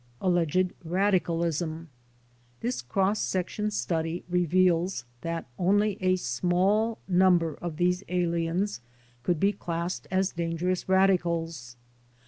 Alleged Radicalism This cross section study reveals that only a small num ber of these aliens could be classed as dangerous radicals.